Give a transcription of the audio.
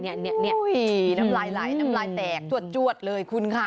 นี่น้ำลายไหลน้ำลายแตกจวดเลยคุณค่ะ